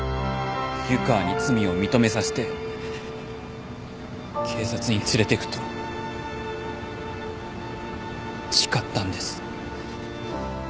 湯川に罪を認めさせて警察に連れてくと誓ったんです。